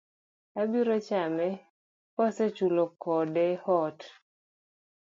Abiro chame kose chulo kode ot?